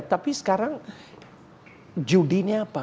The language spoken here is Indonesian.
tapi sekarang judinya apa